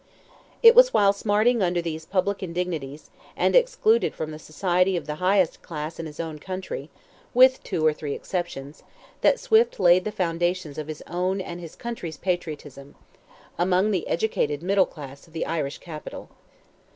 It was while smarting under these public indignities, and excluded from the society of the highest class in his own country, with two or three exceptions, that Swift laid the foundations of his own and his country's patriotism, among the educated middle class of the Irish capital.